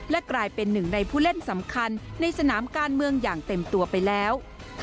และกลายเป็นหนึ่งในผู้เล่นสำคัญในสนามการเมืองอย่างเต็มตัวไปแล้ว